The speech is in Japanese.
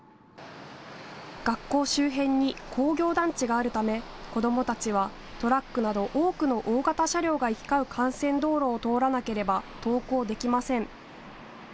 学校周辺に工業団地があるため子どもたちはトラックなど多くの大型車両が行き交う幹線道路を通らなければ登校できません。